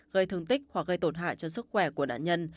gây thương tích hoặc gây tổn hại cho sức khỏe của nạn nhân